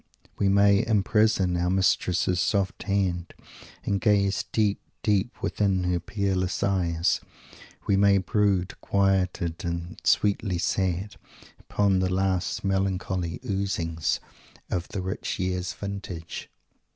We may "imprison our mistress's soft hand, and gaze, deep, deep, within her peerless eyes." We may brood, quieted and sweetly sad, upon the last melancholy "oozings" of the rich year's vintage.